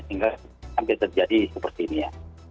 sehingga sampai terjadi seperti ini ya